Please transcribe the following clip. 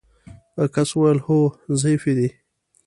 هغه کس وویل: هو ضعیفې دي.